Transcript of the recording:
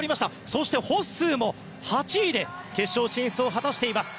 そして、ホッスーも８位で決勝進出を果たしています。